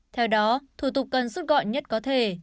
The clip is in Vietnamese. theo đó thủ tục cần rút gọn nhất có thể